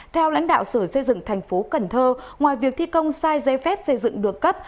theo lãnh đạo sở xây dựng thành phố cần thơ ngoài việc thi công sai giấy phép xây dựng được cấp